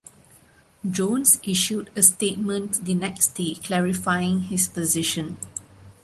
Jones issued a statement the next day clarifying his position.